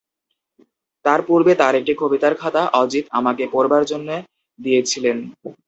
তাঁর পূর্বে তাঁর একটি কবিতার খাতা অজিত আমাকে পড়বার জন্যে দিয়েছিলেন।